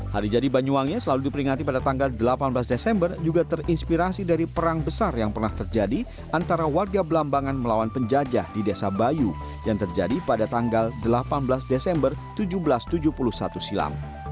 hari jadi banyuwangi selalu diperingati pada tanggal delapan belas desember juga terinspirasi dari perang besar yang pernah terjadi antara warga belambangan melawan penjajah di desa bayu yang terjadi pada tanggal delapan belas desember seribu tujuh ratus tujuh puluh satu silam